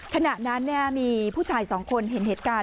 ขณะนั้นมีผู้ชายสองคนเห็นเหตุการณ์